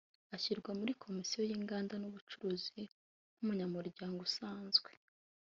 ashyirwa muri komisiyo y’Inganda n’ubucuruzi nk’umunyamuryango usanzwe